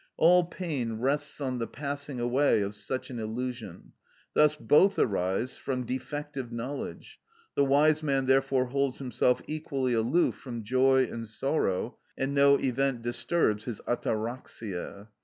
All pain rests on the passing away of such an illusion; thus both arise from defective knowledge; the wise man therefore holds himself equally aloof from joy and sorrow, and no event disturbs his αταραξια.